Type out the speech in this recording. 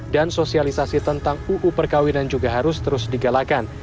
dan sosialisasi tentang uku perkawinan juga harus terus digalakan